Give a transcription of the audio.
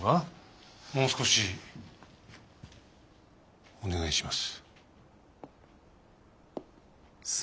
もう少しお願いします。